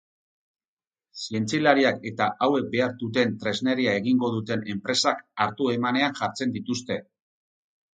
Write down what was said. Zientzilariak eta hauek behar duten tresneria egingo duten enpresak hartu emanean jartzen dituzte.